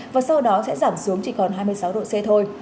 và sau đó sẽ giảm xuống chỉ còn hai mươi sáu độ c thôi